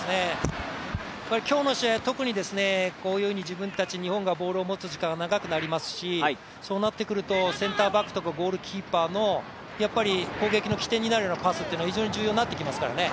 今日の試合、特にこういうふうに自分たち、日本がボールを持つ時間が長くなりますし、そうなってくるとセンターバックとかゴールキーパーの攻撃の起点になるようなパスっていうのは非常に重要になってきますからね。